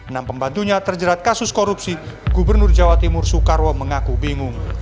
enam pembantunya terjerat kasus korupsi gubernur jawa timur soekarwo mengaku bingung